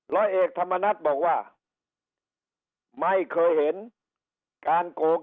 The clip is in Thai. ร้อยเอกธรรมนัฏบอกว่าไม่เคยเห็นการโกง